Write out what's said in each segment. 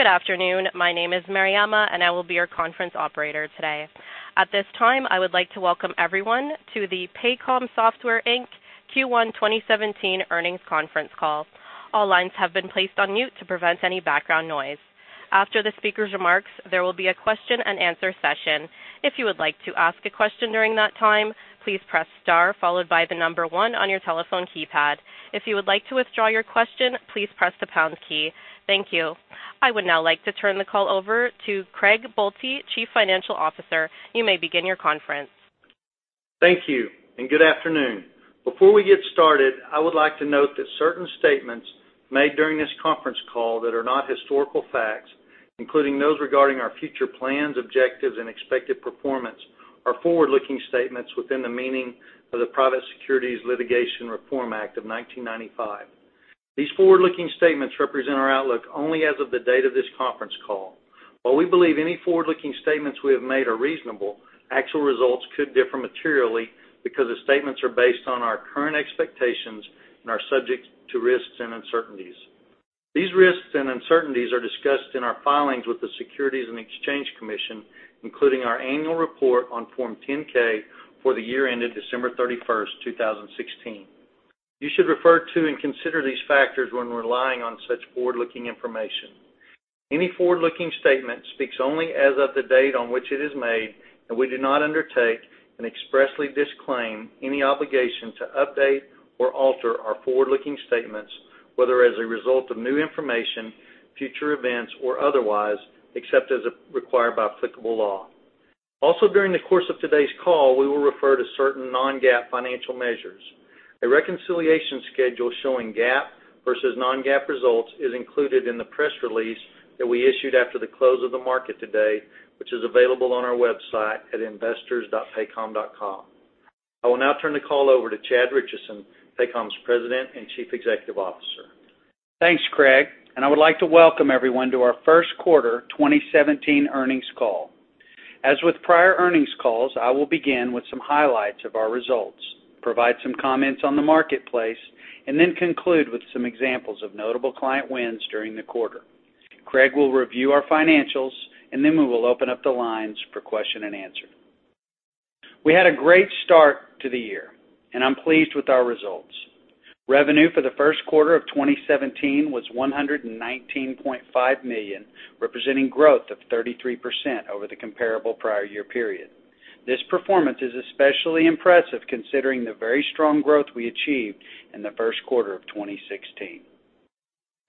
Good afternoon. My name is Mariama, and I will be your conference operator today. At this time, I would like to welcome everyone to the Paycom Software, Inc. Q1 2017 earnings conference call. All lines have been placed on mute to prevent any background noise. After the speaker's remarks, there will be a question and answer session. If you would like to ask a question during that time, please press star followed by the number one on your telephone keypad. If you would like to withdraw your question, please press the pound key. Thank you. I would now like to turn the call over to Craig E. Boelte, Chief Financial Officer. You may begin your conference. Thank you, and good afternoon. Before we get started, I would like to note that certain statements made during this conference call that are not historical facts, including those regarding our future plans, objectives, and expected performance, are forward-looking statements within the meaning of the Private Securities Litigation Reform Act of 1995. These forward-looking statements represent our outlook only as of the date of this conference call. While we believe any forward-looking statements we have made are reasonable, actual results could differ materially because the statements are based on our current expectations and are subject to risks and uncertainties. These risks and uncertainties are discussed in our filings with the Securities and Exchange Commission, including our annual report on Form 10-K for the year ended December 31st, 2016. You should refer to and consider these factors when relying on such forward-looking information. Any forward-looking statement speaks only as of the date on which it is made, and we do not undertake and expressly disclaim any obligation to update or alter our forward-looking statements, whether as a result of new information, future events, or otherwise, except as required by applicable law. During the course of today's call, we will refer to certain non-GAAP financial measures. A reconciliation schedule showing GAAP versus non-GAAP results is included in the press release that we issued after the close of the market today, which is available on our website at investors.paycom.com. I will now turn the call over to Chad Richison, Paycom's President and Chief Executive Officer. Thanks, Craig, and I would like to welcome everyone to our first quarter 2017 earnings call. As with prior earnings calls, I will begin with some highlights of our results, provide some comments on the marketplace, and then conclude with some examples of notable client wins during the quarter. Craig will review our financials, and then we will open up the lines for question and answer. We had a great start to the year and I'm pleased with our results. Revenue for the first quarter of 2017 was $119.5 million, representing growth of 33% over the comparable prior year period. This performance is especially impressive considering the very strong growth we achieved in the first quarter of 2016.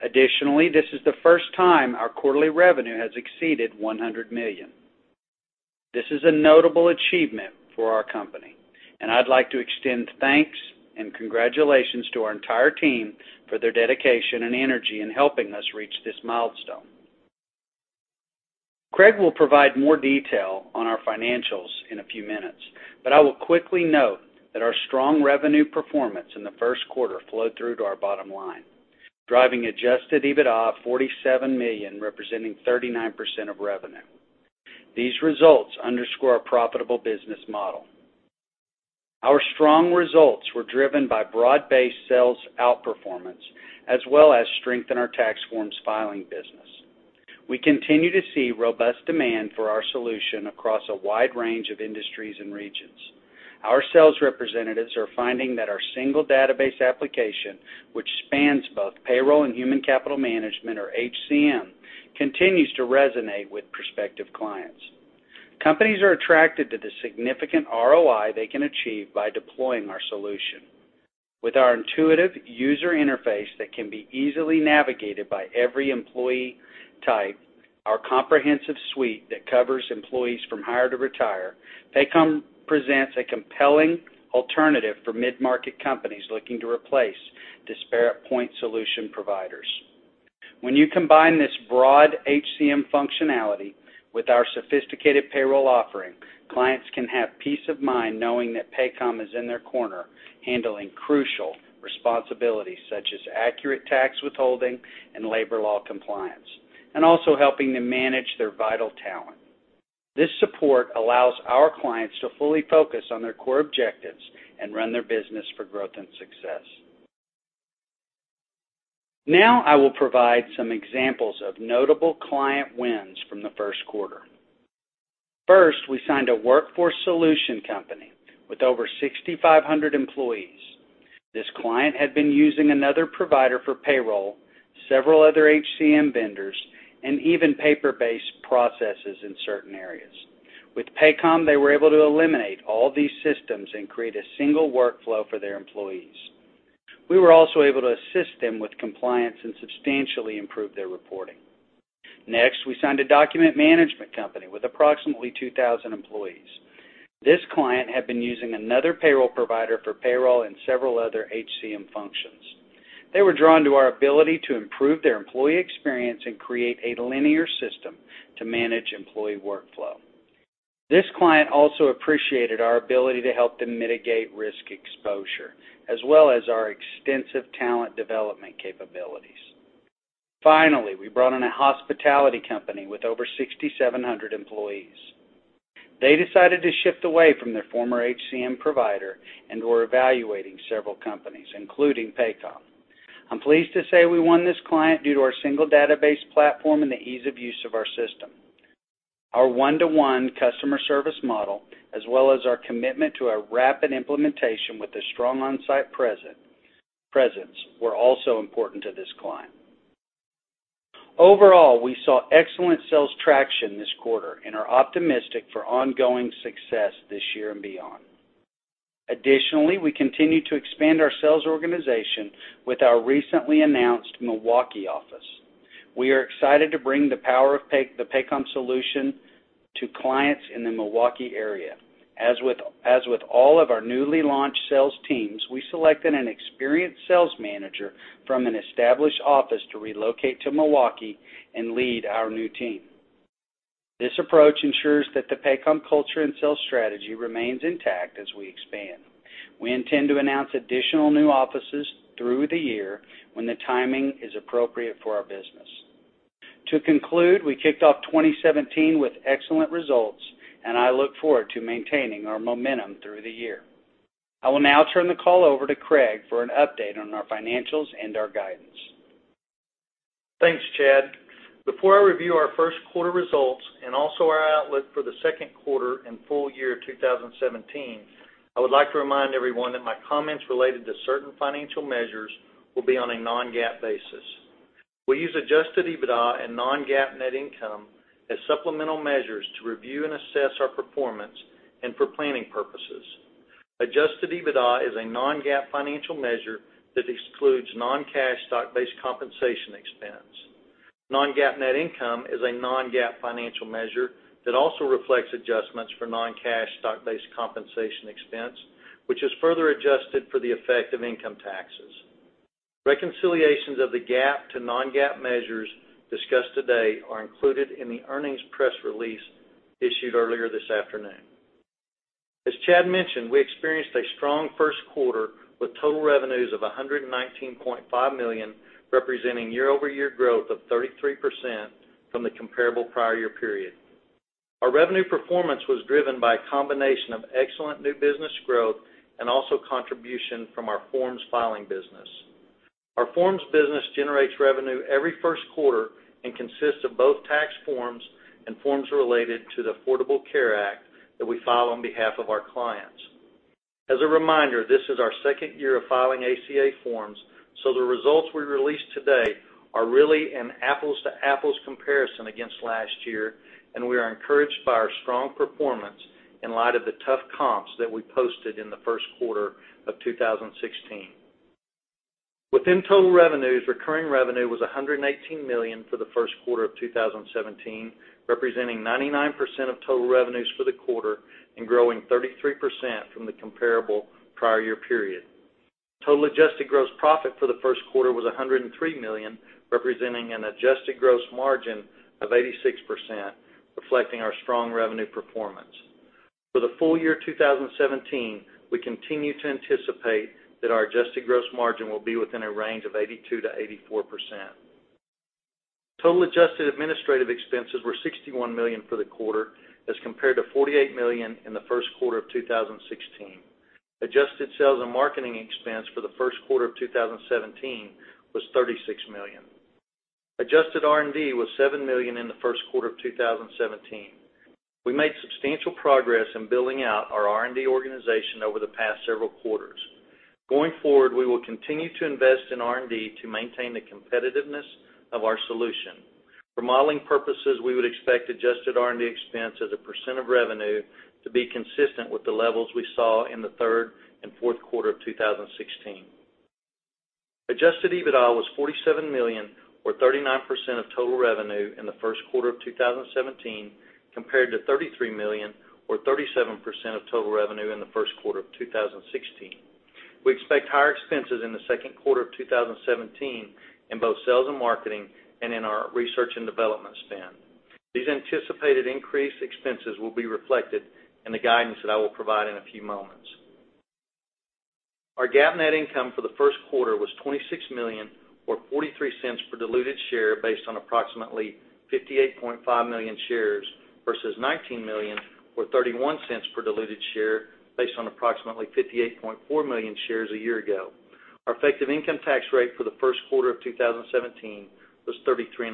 Additionally, this is the first time our quarterly revenue has exceeded $100 million. This is a notable achievement for our company, and I'd like to extend thanks and congratulations to our entire team for their dedication and energy in helping us reach this milestone. Craig will provide more detail on our financials in a few minutes, but I will quickly note that our strong revenue performance in the first quarter flowed through to our bottom line, driving adjusted EBITDA of $47 million, representing 39% of revenue. These results underscore our profitable business model. Our strong results were driven by broad-based sales outperformance, as well as strength in our tax forms filing business. We continue to see robust demand for our solution across a wide range of industries and regions. Our sales representatives are finding that our single database application, which spans both payroll and human capital management, or HCM, continues to resonate with prospective clients. Companies are attracted to the significant ROI they can achieve by deploying our solution. With our intuitive user interface that can be easily navigated by every employee type, our comprehensive suite that covers employees from hire to retire, Paycom presents a compelling alternative for mid-market companies looking to replace disparate point solution providers. When you combine this broad HCM functionality with our sophisticated payroll offering, clients can have peace of mind knowing that Paycom is in their corner, handling crucial responsibilities such as accurate tax withholding and labor law compliance, and also helping them manage their vital talent. This support allows our clients to fully focus on their core objectives and run their business for growth and success. Now I will provide some examples of notable client wins from the first quarter. First, we signed a workforce solution company with over 6,500 employees. This client had been using another provider for payroll, several other HCM vendors, and even paper-based processes in certain areas. With Paycom, they were able to eliminate all these systems and create a single workflow for their employees. We were also able to assist them with compliance and substantially improve their reporting. Next, we signed a document management company with approximately 2,000 employees. This client had been using another payroll provider for payroll and several other HCM functions. They were drawn to our ability to improve their employee experience and create a linear system to manage employee workflow. This client also appreciated our ability to help them mitigate risk exposure, as well as our extensive talent development capabilities. Finally, we brought on a hospitality company with over 6,700 employees. I'm pleased to say we won this client due to our single database platform and the ease of use of our system. Our one-to-one customer service model, as well as our commitment to a rapid implementation with a strong on-site presence, were also important to this client. Overall, we saw excellent sales traction this quarter and are optimistic for ongoing success this year and beyond. Additionally, we continue to expand our sales organization with our recently announced Milwaukee office. We are excited to bring the power of the Paycom solution to clients in the Milwaukee area. As with all of our newly launched sales teams, we selected an experienced sales manager from an established office to relocate to Milwaukee and lead our new team. This approach ensures that the Paycom culture and sales strategy remains intact as we expand. We intend to announce additional new offices through the year when the timing is appropriate for our business. To conclude, we kicked off 2017 with excellent results, I look forward to maintaining our momentum through the year. I will now turn the call over to Craig for an update on our financials and our guidance. Thanks, Chad. Before I review our first quarter results, also our outlook for the second quarter and full year 2017, I would like to remind everyone that my comments related to certain financial measures will be on a non-GAAP basis. We use adjusted EBITDA and non-GAAP net income as supplemental measures to review and assess our performance and for planning purposes. Adjusted EBITDA is a non-GAAP financial measure that excludes non-cash stock-based compensation expense. Non-GAAP net income is a non-GAAP financial measure that also reflects adjustments for non-cash stock-based compensation expense, which is further adjusted for the effect of income taxes. Reconciliations of the GAAP to non-GAAP measures discussed today are included in the earnings press release issued earlier this afternoon. As Chad mentioned, we experienced a strong first quarter with total revenues of $119.5 million, representing year-over-year growth of 33% from the comparable prior year period. Our revenue performance was driven by a combination of excellent new business growth, also contribution from our forms filing business. Our forms business generates revenue every first quarter and consists of both tax forms and forms related to the Affordable Care Act that we file on behalf of our clients. As a reminder, this is our second year of filing ACA forms, so the results we released today are really an apples-to-apples comparison against last year, we are encouraged by our strong performance in light of the tough comps that we posted in the first quarter of 2016. Within total revenues, recurring revenue was $118 million for the first quarter of 2017, representing 99% of total revenues for the quarter and growing 33% from the comparable prior year period. Total adjusted gross profit for the first quarter was $103 million, representing an adjusted gross margin of 86%, reflecting our strong revenue performance. For the full year 2017, we continue to anticipate that our adjusted gross margin will be within a range of 82%-84%. Total adjusted administrative expenses were $61 million for the quarter as compared to $48 million in the first quarter of 2016. Adjusted sales and marketing expense for the first quarter of 2017 was $36 million. Adjusted R&D was $7 million in the first quarter of 2017. We made substantial progress in building out our R&D organization over the past several quarters. Going forward, we will continue to invest in R&D to maintain the competitiveness of our solution. For modeling purposes, we would expect adjusted R&D expense as a percent of revenue to be consistent with the levels we saw in the third and fourth quarter of 2016. Adjusted EBITDA was $47 million, or 39% of total revenue in the first quarter of 2017, compared to $33 million or 37% of total revenue in the first quarter of 2016. We expect higher expenses in the second quarter of 2017 in both sales and marketing and in our research and development spend. These anticipated increased expenses will be reflected in the guidance that I will provide in a few moments. Our GAAP net income for the first quarter was $26 million, or $0.43 per diluted share based on approximately 58.5 million shares, versus $19 million or $0.31 per diluted share based on approximately 58.4 million shares a year ago. Our effective income tax rate for the first quarter of 2017 was 33.5%.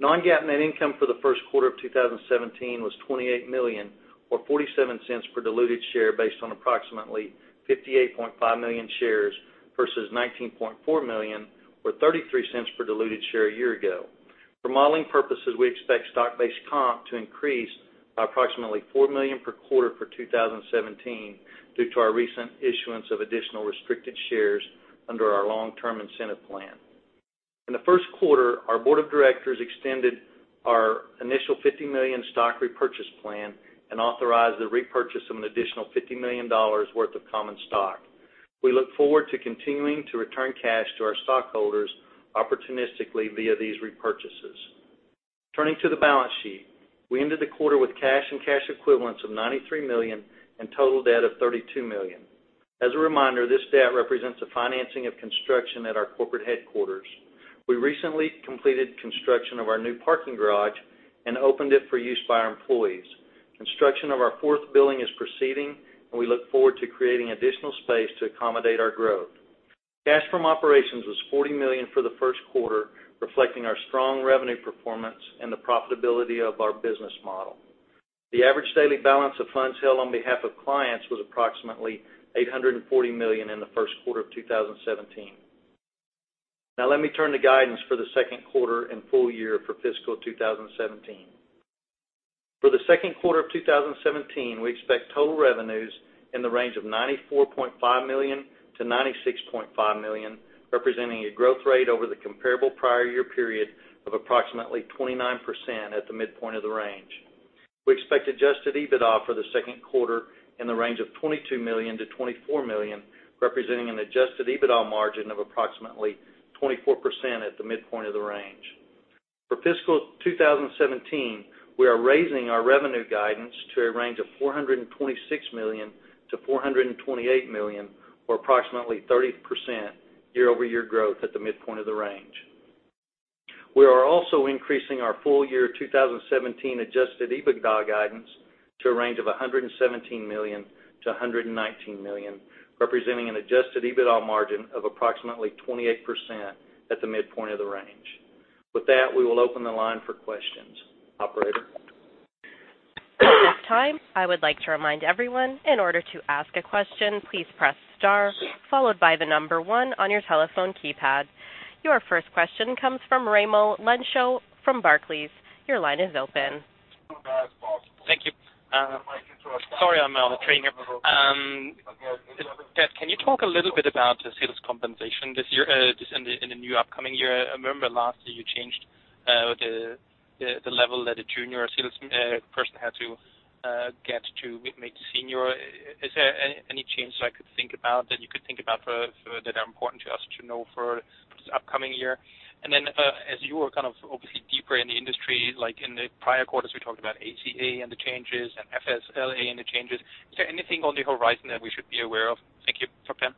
Non-GAAP net income for the first quarter of 2017 was $28 million or $0.47 per diluted share based on approximately 58.5 million shares, versus $19.4 million or $0.33 per diluted share a year ago. For modeling purposes, we expect stock-based comp to increase by approximately $4 million per quarter for 2017 due to our recent issuance of additional restricted shares under our long-term incentive plan. In the first quarter, our board of directors extended our initial $50 million stock repurchase plan and authorized the repurchase of an additional $50 million worth of common stock. We look forward to continuing to return cash to our stockholders opportunistically via these repurchases. Turning to the balance sheet, we ended the quarter with cash and cash equivalents of $93 million and total debt of $32 million. As a reminder, this debt represents the financing of construction at our corporate headquarters. We recently completed construction of our new parking garage and opened it for use by our employees. Construction of our fourth building is proceeding, and we look forward to creating additional space to accommodate our growth. Cash from operations was $40 million for the first quarter, reflecting our strong revenue performance and the profitability of our business model. The average daily balance of funds held on behalf of clients was approximately $840 million in the first quarter of 2017. Let me turn to guidance for the second quarter and full year for fiscal 2017. For the second quarter of 2017, we expect total revenues in the range of $94.5 million to $96.5 million, representing a growth rate over the comparable prior year period of approximately 29% at the midpoint of the range. We expect adjusted EBITDA for the second quarter in the range of $22 million to $24 million, representing an adjusted EBITDA margin of approximately 24% at the midpoint of the range. For fiscal 2017, we are raising our revenue guidance to a range of $426 million to $428 million, or approximately 30% year-over-year growth at the midpoint of the range. We are also increasing our full-year 2017 adjusted EBITDA guidance to a range of $117 million to $119 million, representing an adjusted EBITDA margin of approximately 28% at the midpoint of the range. With that, we will open the line for questions. Operator? At this time, I would like to remind everyone, in order to ask a question, please press star followed by the number 1 on your telephone keypad. Your first question comes from Raimo Lenschow from Barclays. Your line is open. Thank you. Sorry, I'm a little late here. Chad, can you talk a little bit about the sales compensation this year, in the new upcoming year? I remember last year you changed the level that a junior sales person had to get to make senior. Is there any change that you could think about that are important to us to know for this upcoming year? As you are kind of obviously deeper in the industry, like in the prior quarters, we talked about ACA and the changes and FLSA and the changes. Is there anything on the horizon that we should be aware of? Thank you. Over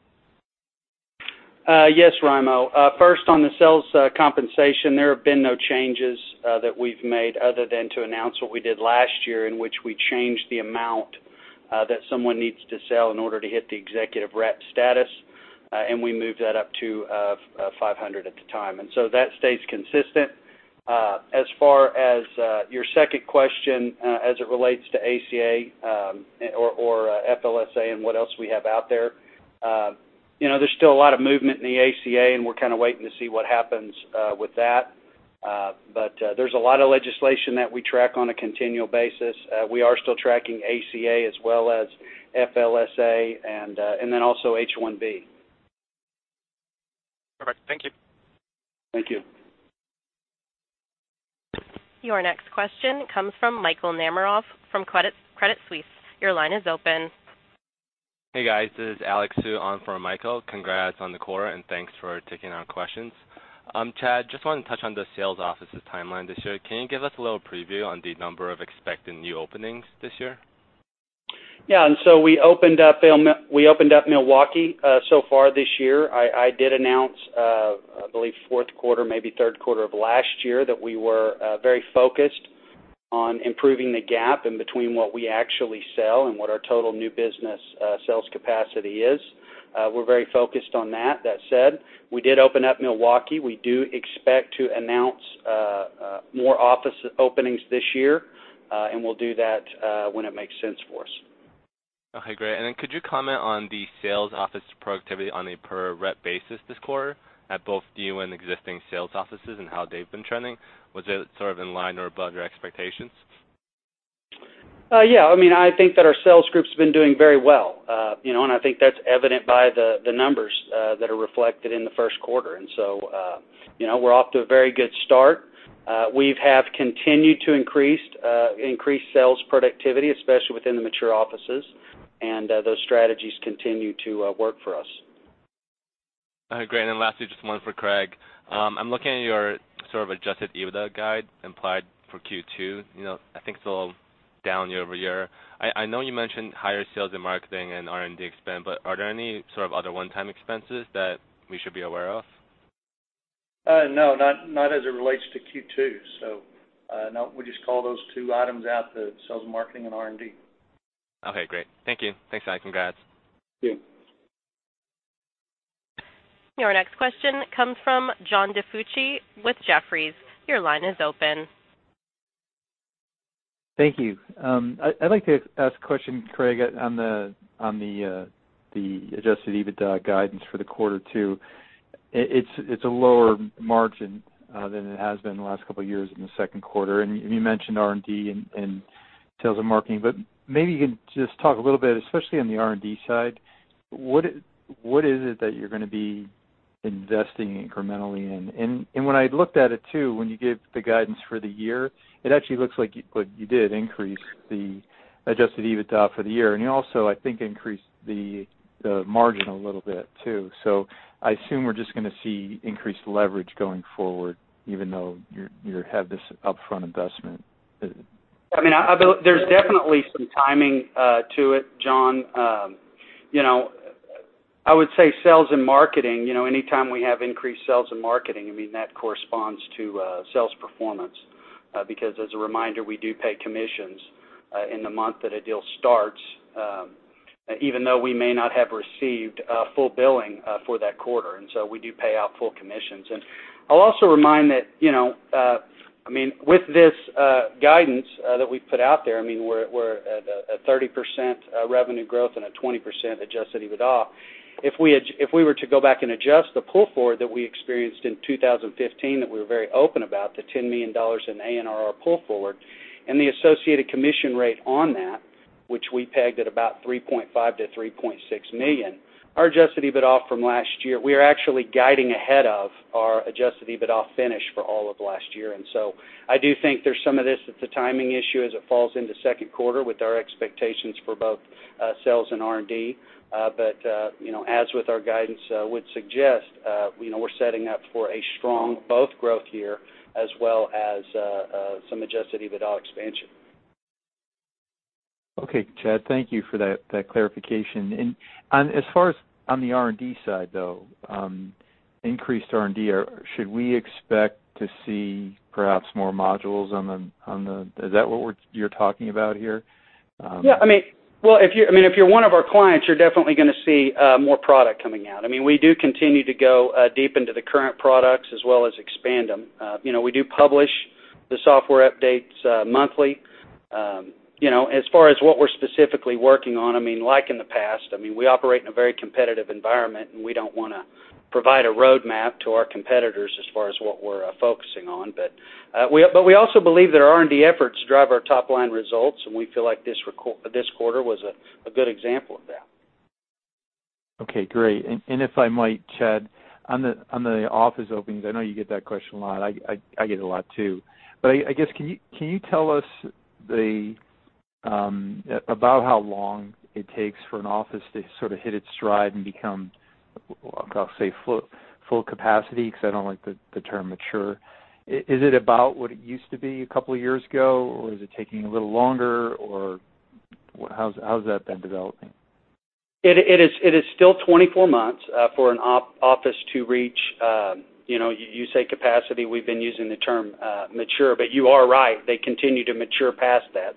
to you. Yes, Raimo. First, on the sales compensation, there have been no changes that we've made other than to announce what we did last year, in which we changed the amount that someone needs to sell in order to hit the executive rep status, and we moved that up to 500 at the time. That stays consistent. As far as your second question, as it relates to ACA or FLSA and what else we have out there's still a lot of movement in the ACA, and we're kind of waiting to see what happens with that. There's a lot of legislation that we track on a continual basis. We are still tracking ACA as well as FLSA, and then also H-1B. Perfect. Thank you. Thank you. Your next question comes from Michael Nemeroff from Credit Suisse. Your line is open. Hey, guys. This is Alex Zu on for Michael. Congrats on the quarter and thanks for taking our questions. Chad, just wanted to touch on the sales offices timeline this year. Can you give us a little preview on the number of expected new openings this year? We opened up Milwaukee so far this year. I did announce, I believe fourth quarter, maybe third quarter of last year, that we were very focused on improving the gap in between what we actually sell and what our total new business sales capacity is. We're very focused on that. That said, we did open up Milwaukee. We do expect to announce more office openings this year, and we'll do that when it makes sense for us. Okay, great. Could you comment on the sales office productivity on a per-rep basis this quarter at both new and existing sales offices and how they've been trending? Was it sort of in line or above your expectations? Yeah. I think that our sales group's been doing very well. I think that's evident by the numbers that are reflected in the first quarter. We're off to a very good start. We have continued to increase sales productivity, especially within the mature offices, and those strategies continue to work for us. All right, great. Lastly, just one for Craig. I'm looking at your sort of adjusted EBITDA guide implied for Q2. I think it's a little down year-over-year. I know you mentioned higher sales and marketing and R&D spend, are there any sort of other one-time expenses that we should be aware of? No, not as it relates to Q2. No, we just call those two items out, the sales and marketing and R&D. Okay, great. Thank you. Thanks, guys. Congrats. Thank you. Your next question comes from John DiFucci with Jefferies. Your line is open. Thank you. I'd like to ask a question, Craig, on the adjusted EBITDA guidance for the quarter two. It's a lower margin than it has been the last couple of years in the second quarter, and you mentioned R&D and sales and marketing, but maybe you could just talk a little bit, especially on the R&D side, what is it that you're going to be investing incrementally in? When I looked at it too, when you give the guidance for the year, it actually looks like you did increase the adjusted EBITDA for the year, and you also, I think, increased the margin a little bit too. I assume we're just going to see increased leverage going forward, even though you have this upfront investment. There's definitely some timing to it, John. I would say sales and marketing, anytime we have increased sales and marketing, that corresponds to sales performance. As a reminder, we do pay commissions in the month that a deal starts, even though we may not have received full billing for that quarter. We do pay out full commissions. I'll also remind that, with this guidance that we've put out there, we're at a 30% revenue growth and a 20% adjusted EBITDA. If we were to go back and adjust the pull forward that we experienced in 2015, that we were very open about, the $10 million in ANR pull forward, and the associated commission rate on that, which we pegged at about $3.5 million-$3.6 million, our adjusted EBITDA from last year, we are actually guiding ahead of our adjusted EBITDA finish for all of last year. I do think there's some of this that's a timing issue as it falls into second quarter with our expectations for both sales and R&D. As with our guidance would suggest, we're setting up for a strong both growth year as well as some adjusted EBITDA expansion. Okay, Chad, thank you for that clarification. As far as on the R&D side, though, increased R&D, should we expect to see perhaps more modules on the Is that what you're talking about here? Yeah. If you're one of our clients, you're definitely going to see more product coming out. We do continue to go deep into the current products as well as expand them. We do publish the software updates monthly. As far as what we're specifically working on, like in the past, we operate in a very competitive environment, and we don't want to provide a roadmap to our competitors as far as what we're focusing on. We also believe that our R&D efforts drive our top-line results, and we feel like this quarter was a good example of that. Okay, great. If I might, Chad, on the office openings, I know you get that question a lot. I get it a lot, too. I guess, can you tell us about how long it takes for an office to sort of hit its stride and become, I'll say full capacity, because I don't like the term mature. Is it about what it used to be a couple of years ago, or is it taking a little longer? How has that been developing? It is still 24 months for an office to reach, you say capacity, we've been using the term mature, you are right. They continue to mature past that.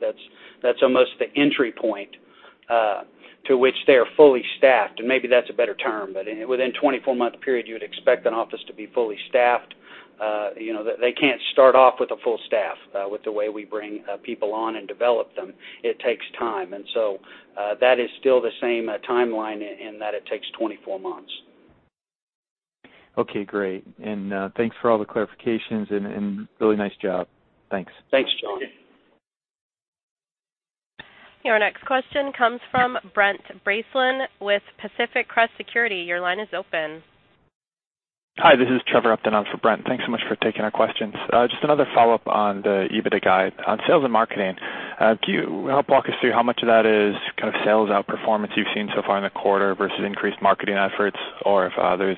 That's almost the entry point to which they are fully staffed, maybe that's a better term. Within a 24-month period, you would expect an office to be fully staffed. They can't start off with a full staff with the way we bring people on and develop them. It takes time. So that is still the same timeline in that it takes 24 months. Okay, great. Thanks for all the clarifications and really nice job. Thanks. Thanks, John. Your next question comes from Brent Bracelin with Pacific Crest Securities. Your line is open. Hi, this is Trevor Upton. I'm for Brent. Thanks so much for taking our questions. Just another follow-up on the EBITDA guide. On sales and marketing, can you help walk us through how much of that is kind of sales outperformance you've seen so far in the quarter versus increased marketing efforts, or if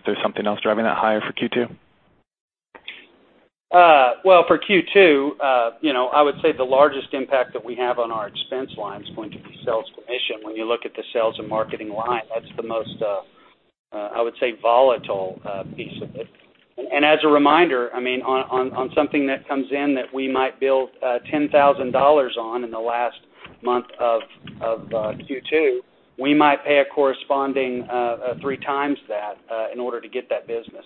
there's something else driving that higher for Q2? Well, for Q2, I would say the largest impact that we have on our expense line is going to be sales commission. When you look at the sales and marketing line, that's the most, I would say, volatile piece of it. As a reminder, on something that comes in that we might bill $10,000 on in the last month of Q2, we might pay a corresponding three times that in order to get that business.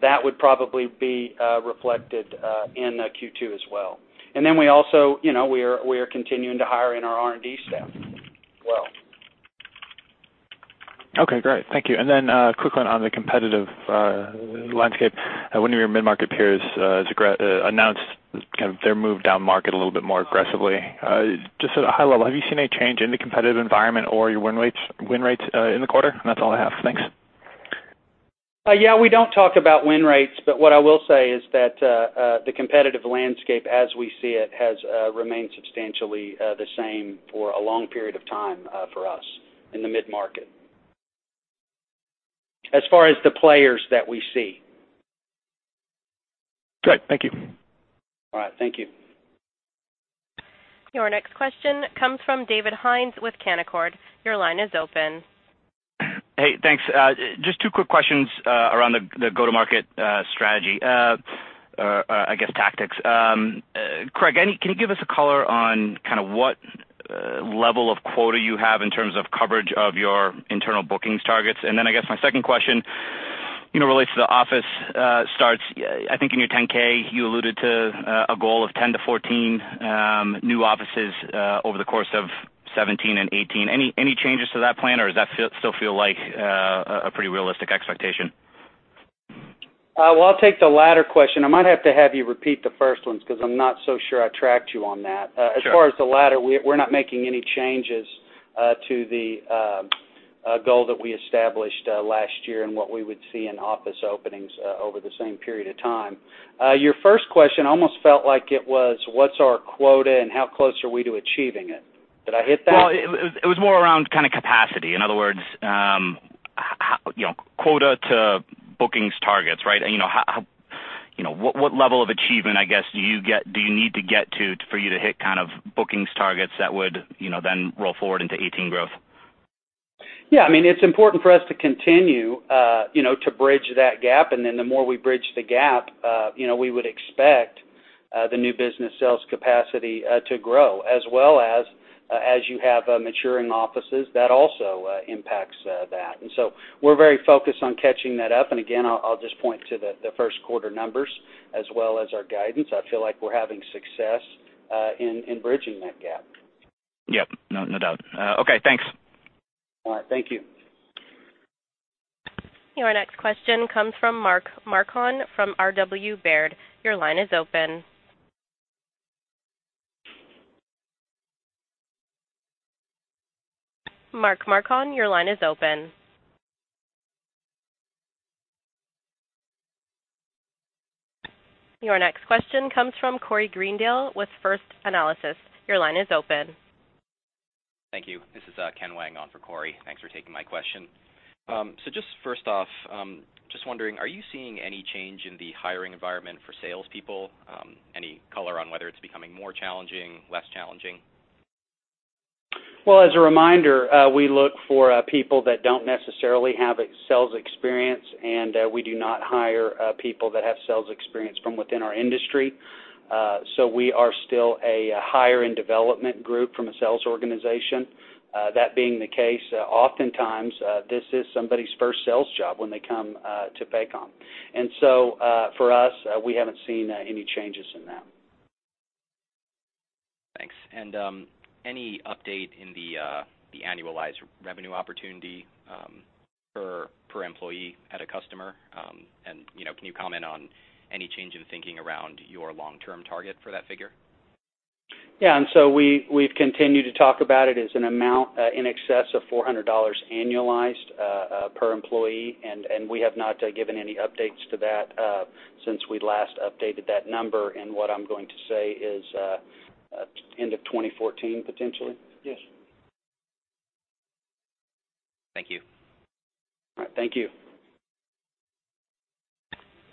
That would probably be reflected in Q2 as well. We also are continuing to hire in our R&D staff as well. Okay, great. Thank you. A quick one on the competitive landscape. One of your mid-market peers announced kind of their move down market a little bit more aggressively. Just at a high level, have you seen any change in the competitive environment or your win rates in the quarter? That's all I have. Thanks. Yeah, we don't talk about win rates. What I will say is that the competitive landscape as we see it has remained substantially the same for a long period of time for us in the mid-market, as far as the players that we see. Great. Thank you. All right. Thank you. Your next question comes from David Hynes with Canaccord. Your line is open. Thanks. Two quick questions around the go-to-market strategy, or I guess tactics. Craig, can you give us a color on kind of what level of quota you have in terms of coverage of your internal bookings targets? My second question relates to the office starts. I think in your 10-K, you alluded to a goal of 10 to 14 new offices over the course of 2017 and 2018. Any changes to that plan, or does that still feel like a pretty realistic expectation? I'll take the latter question. I might have to have you repeat the first one because I'm not so sure I tracked you on that. Sure. As far as the latter, we're not making any changes to the goal that we established last year and what we would see in office openings over the same period of time. Your first question almost felt like it was what's our quota and how close are we to achieving it? Did I hit that? It was more around kind of capacity. In other words, quota to bookings targets, right? What level of achievement, I guess, do you need to get to for you to hit bookings targets that would then roll forward into 2018 growth? Yeah. It's important for us to continue to bridge that gap, and then the more we bridge the gap, we would expect the new business sales capacity to grow. As well as you have maturing offices, that also impacts that. So we're very focused on catching that up, and again, I'll just point to the first quarter numbers as well as our guidance. I feel like we're having success in bridging that gap. Yep. No doubt. Okay, thanks. All right. Thank you. Your next question comes from Mark Marcon from R.W. Baird. Your line is open. Mark Marcon, your line is open. Your next question comes from Corey Greendale with First Analysis. Your line is open. Thank you. This is Ken Wang on for Corey. Thanks for taking my question. Just first off, just wondering, are you seeing any change in the hiring environment for salespeople? Any color on whether it's becoming more challenging, less challenging? Well, as a reminder, we look for people that don't necessarily have sales experience, and we do not hire people that have sales experience from within our industry. We are still a hire and development group from a sales organization. That being the case, oftentimes, this is somebody's first sales job when they come to Paycom. For us, we haven't seen any changes in that. Thanks. Any update in the annualized revenue opportunity per employee at a customer? Can you comment on any change in thinking around your long-term target for that figure? Yeah. We've continued to talk about it as an amount in excess of $400 annualized per employee, and we have not given any updates to that since we last updated that number in, what I'm going to say is, end of 2014, potentially. Yes. Thank you. All right. Thank you.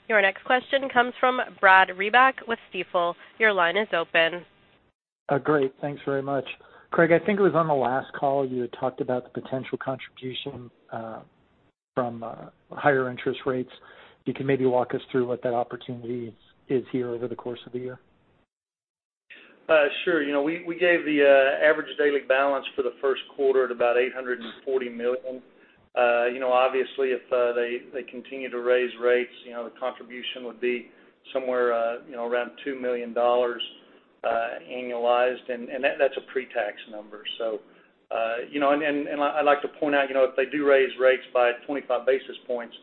Your next question comes from Brad Reback with Stifel. Your line is open. Great. Thanks very much. Craig, I think it was on the last call, you had talked about the potential contribution from higher interest rates. You can maybe walk us through what that opportunity is here over the course of the year. Sure. We gave the average daily balance for the first quarter at about $840 million. Obviously, if they continue to raise rates, the contribution would be somewhere around $2 million annualized. That's a pre-tax number. I like to point out, if they do raise rates by 25 basis points,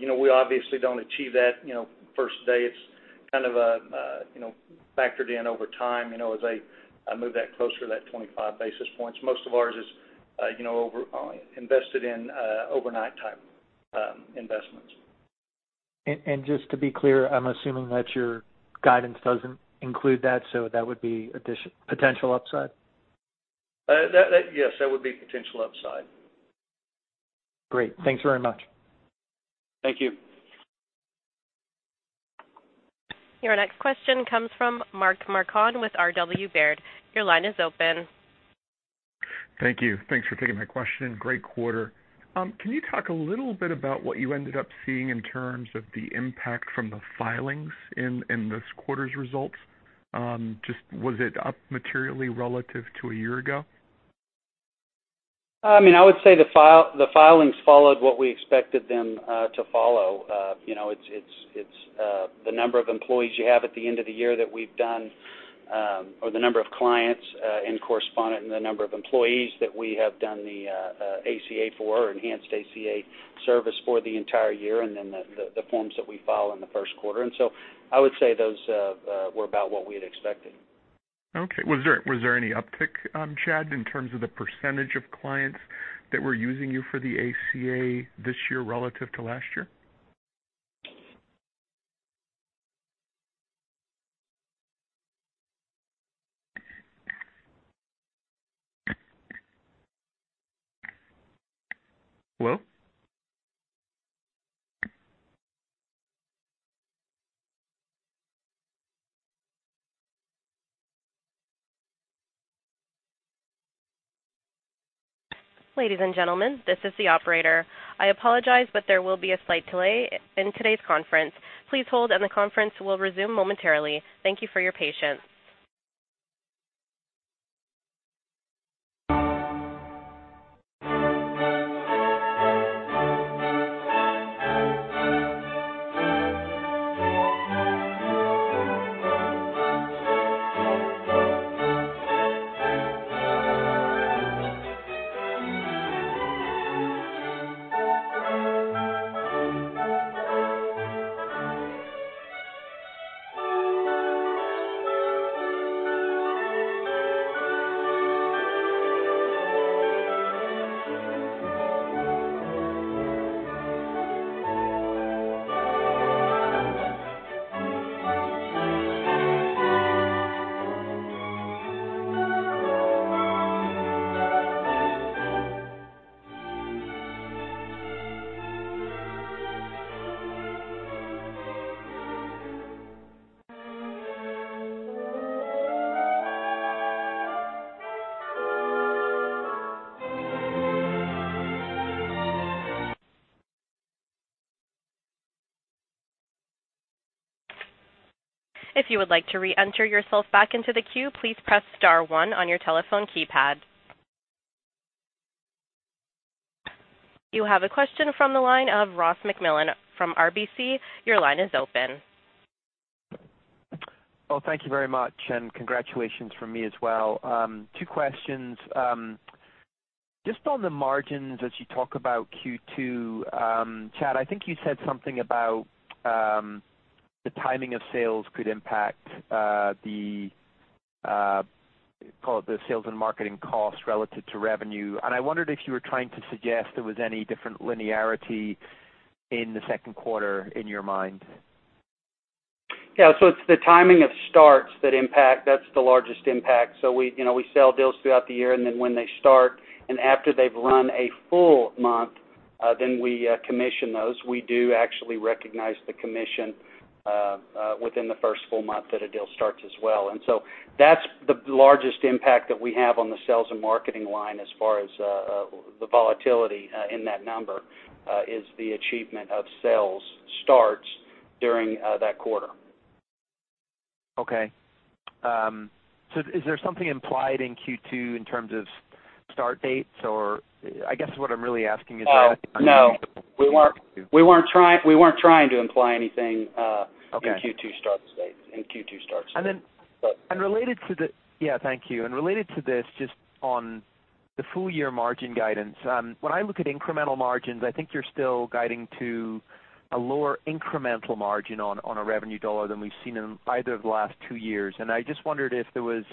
we obviously don't achieve that first day. It's kind of factored in over time as they move that closer to that 25 basis points. Most of ours is invested in overnight-type investments. Just to be clear, I'm assuming that your guidance doesn't include that. That would be potential upside? Yes, that would be potential upside. Great. Thanks very much. Thank you. Your next question comes from Mark Marcon with R.W. Baird. Your line is open. Thank you. Thanks for taking my question. Great quarter. Can you talk a little bit about what you ended up seeing in terms of the impact from the filings in this quarter's results? Just was it up materially relative to a year ago? I would say the filings followed what we expected them to follow. It's the number of employees you have at the end of the year that we've done, or the number of clients and correspondent, and the number of employees that we have done the ACA for, or enhanced ACA service for the entire year, and then the forms that we file in the first quarter. I would say those were about what we had expected. Okay. Was there any uptick, Chad, in terms of the percentage of clients that were using you for the ACA this year relative to last year? Well? Ladies and gentlemen, this is the operator. I apologize. There will be a slight delay in today's conference. Please hold. The conference will resume momentarily. Thank you for your patience. If you would like to re-enter yourself back into the queue, please press star one on your telephone keypad. You have a question from the line of Ross MacMillan from RBC. Your line is open. Well, thank you very much. Congratulations from me as well. Two questions. Just on the margins as you talk about Q2, Chad, I think you said something about the timing of sales could impact the sales and marketing cost relative to revenue. I wondered if you were trying to suggest there was any different linearity in the second quarter in your mind. Yeah. It's the timing of starts that impact, that's the largest impact. We sell deals throughout the year, and then when they start and after they've run a full month, then we commission those. We do actually recognize the commission within the first full month that a deal starts as well. That's the largest impact that we have on the sales and marketing line as far as the volatility in that number, is the achievement of sales starts during that quarter. Okay. Is there something implied in Q2 in terms of start dates, or I guess what I'm really asking? No. We weren't trying to imply anything. Okay In Q2 start dates. Thank you. Related to this, just on the full-year margin guidance, when I look at incremental margins, I think you're still guiding to a lower incremental margin on a revenue dollar than we've seen in either of the last two years. I just wondered if there was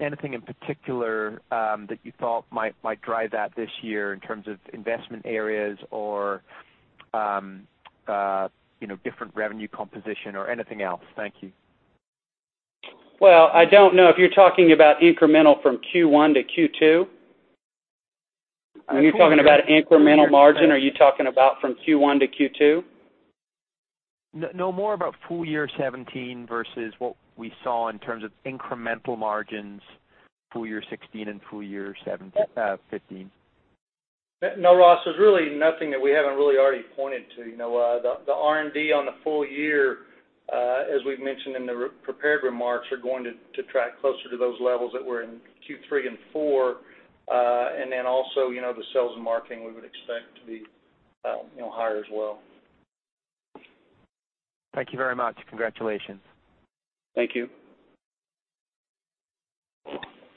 anything in particular that you thought might drive that this year in terms of investment areas or different revenue composition or anything else. Thank you. Well, I don't know if you're talking about incremental from Q1 to Q2. When you're talking about incremental margin, are you talking about from Q1 to Q2? No, more about full year 2017 versus what we saw in terms of incremental margins full year 2016 and full year 2015. No, Ross, there's really nothing that we haven't really already pointed to. The R&D on the full year, as we've mentioned in the prepared remarks, are going to track closer to those levels that were in Q3 and Q4. Also, the sales and marketing we would expect to be higher as well. Thank you very much. Congratulations. Thank you.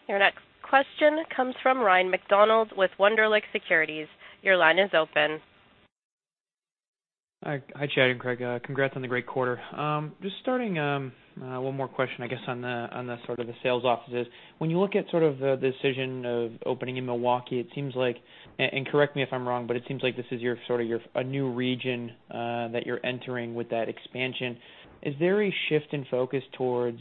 Your next question comes from Ryan MacDonald with Wunderlich Securities. Your line is open. Hi, Chad and Craig. Congrats on the great quarter. Just starting, one more question, I guess, on the sort of the sales offices. When you look at sort of the decision of opening in Milwaukee, it seems like, and correct me if I'm wrong, but it seems like this is sort of a new region that you're entering with that expansion. Is there a shift in focus towards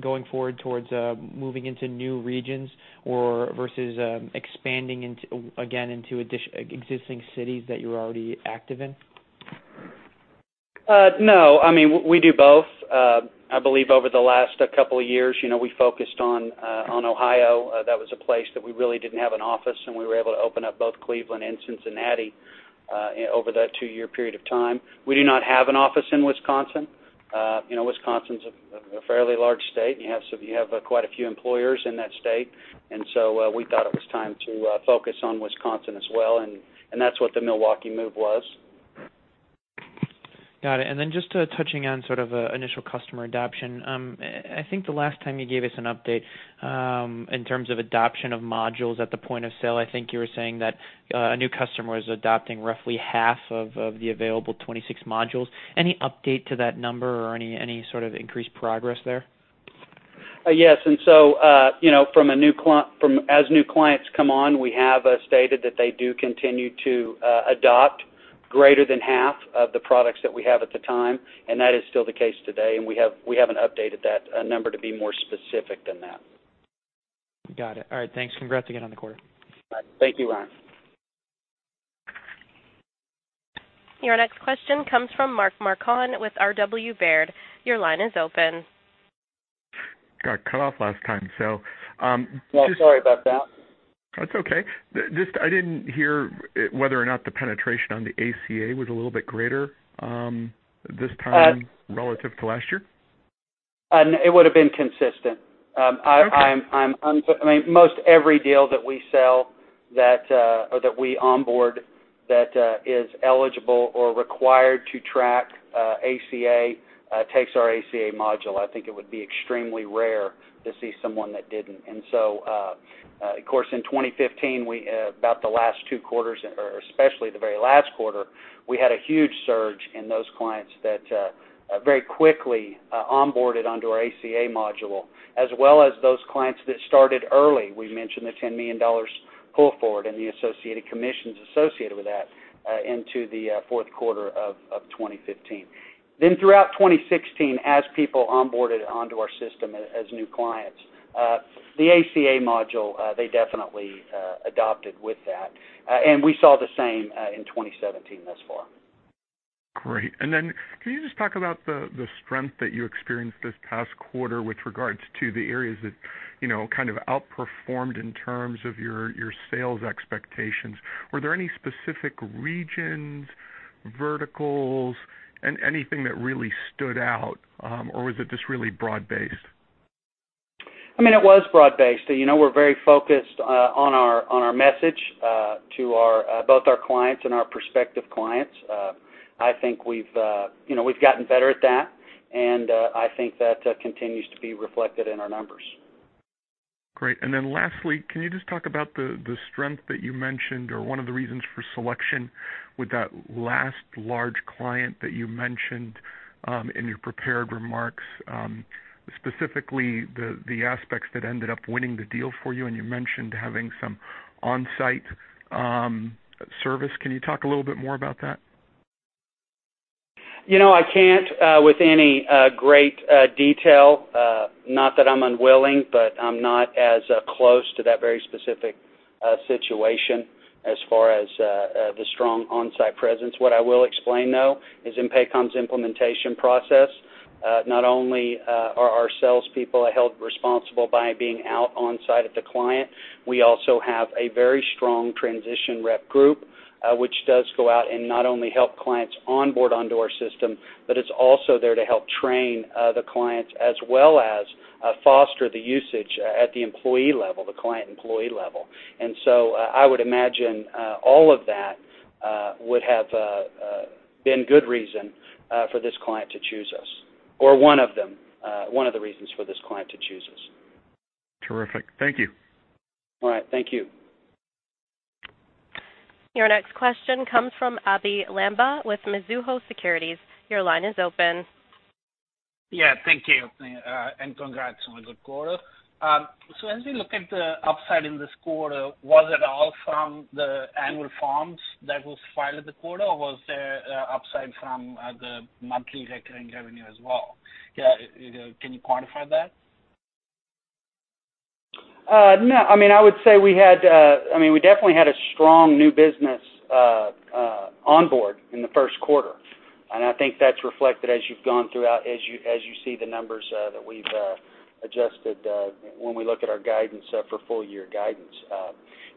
going forward towards moving into new regions or versus expanding again into existing cities that you're already active in? We do both. I believe over the last couple of years, we focused on Ohio. That was a place that we really didn't have an office, and we were able to open up both Cleveland and Cincinnati over that two-year period of time. We do not have an office in Wisconsin. Wisconsin's a fairly large state, and you have quite a few employers in that state. We thought it was time to focus on Wisconsin as well, and that's what the Milwaukee move was. Got it. Just touching on sort of initial customer adoption. I think the last time you gave us an update, in terms of adoption of modules at the point of sale, I think you were saying that a new customer is adopting roughly half of the available 26 modules. Any update to that number or any sort of increased progress there? Yes. As new clients come on, we have stated that they do continue to adopt greater than half of the products that we have at the time, and that is still the case today, and we haven't updated that number to be more specific than that. Got it. All right. Thanks. Congrats again on the quarter. Thank you, Ryan. Your next question comes from Mark Marcon with R.W. Baird. Your line is open. Got cut off last time, so. Yeah, sorry about that. That's okay. I didn't hear whether or not the penetration on the ACA was a little bit greater this time relative to last year. It would've been consistent. Okay. Most every deal that we sell or that we onboard that is eligible or required to track ACA, takes our ACA module. I think it would be extremely rare to see someone that didn't. Of course, in 2015, about the last two quarters or especially the very last quarter, we had a huge surge in those clients that very quickly onboarded onto our ACA module, as well as those clients that started early. We mentioned the $10 million Pull forward and the associated commissions associated with that into the fourth quarter of 2015. Throughout 2016, as people onboarded onto our system as new clients, the ACA module they definitely adopted with that. We saw the same in 2017 thus far. Great. Can you just talk about the strength that you experienced this past quarter with regards to the areas that kind of outperformed in terms of your sales expectations? Were there any specific regions, verticals, and anything that really stood out? Was it just really broad-based? It was broad-based. We're very focused on our message to both our clients and our prospective clients. I think we've gotten better at that, and I think that continues to be reflected in our numbers. Great. Lastly, can you just talk about the strength that you mentioned, or one of the reasons for selection with that last large client that you mentioned in your prepared remarks, specifically the aspects that ended up winning the deal for you, and you mentioned having some on-site service. Can you talk a little bit more about that? I can't with any great detail. Not that I'm unwilling, but I'm not as close to that very specific situation as far as the strong on-site presence. What I will explain, though, is in Paycom's implementation process, not only are our salespeople held responsible by being out on-site at the client, we also have a very strong transition rep group, which does go out and not only help clients onboard onto our system, but it's also there to help train the clients as well as foster the usage at the employee level, the client employee level. I would imagine all of that would have been good reason for this client to choose us. Or one of them, one of the reasons for this client to choose us. Terrific. Thank you. All right. Thank you. Your next question comes from Abhey Lamba with Mizuho Securities. Your line is open. Yeah, thank you. Congrats on the good quarter. As we look at the upside in this quarter, was it all from the annual forms that was filed the quarter, or was there upside from the monthly recurring revenue as well? Can you quantify that? No. I would say we definitely had a strong new business onboard in the first quarter. I think that's reflected as you see the numbers that we've adjusted when we look at our guidance for full-year guidance.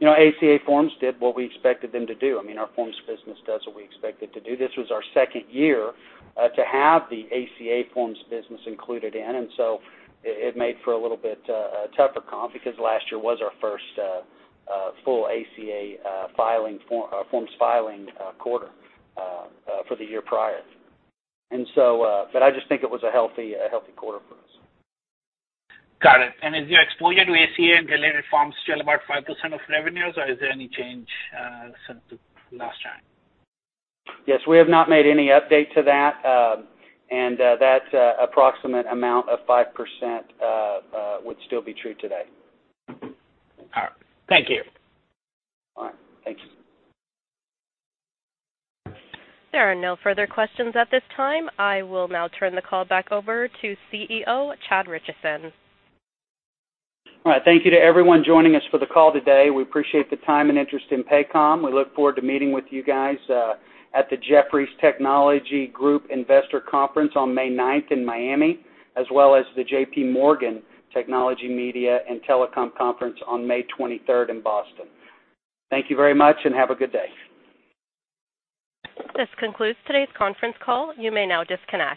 ACA forms did what we expected them to do. Our forms business does what we expect it to do. This was our second year to have the ACA forms business included in, so it made for a little bit tougher comp because last year was our first full ACA forms filing quarter for the year prior. I just think it was a healthy quarter for us. Got it. Is your exposure to ACA and related forms still about 5% of revenues, or is there any change since the last time? Yes, we have not made any update to that, and that approximate amount of 5% would still be true today. All right. Thank you. All right. Thank you. There are no further questions at this time. I will now turn the call back over to CEO Chad Richison. All right. Thank you to everyone joining us for the call today. We appreciate the time and interest in Paycom. We look forward to meeting with you guys at the Jefferies Technology Group Investor Conference on May 9th in Miami, as well as the J.P. Morgan Technology, Media and Telecom Conference on May 23rd in Boston. Thank you very much and have a good day. This concludes today's conference call. You may now disconnect.